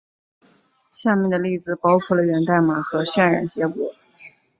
下面的例子包括了源代码和渲染结果。